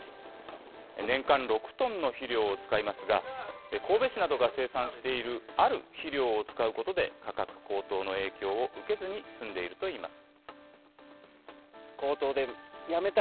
年間６トンの肥料を使いますが、神戸市などが生産しているある肥料を使うことで、価格高騰の影響を受けずに済んでいるといいます。